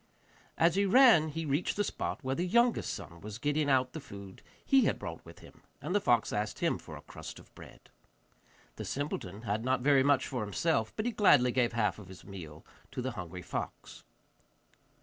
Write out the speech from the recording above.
As he ran he reached the spot where the youngest son was getting out the food he had brought with him, and the fox asked him for a crust of bread. The simpleton had not very much for himself, but he gladly gave half of his meal to the hungry fox.